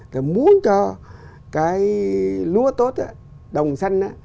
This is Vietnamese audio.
thì muốn cho cái lúa tốt đó đồng xanh đó